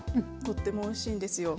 とってもおいしいんですよ。